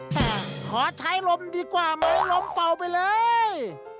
แต่ขอใช้ลมดีกว่าไหมลมเป่าไปเลย